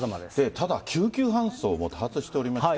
ただ救急搬送も多発しておりまして。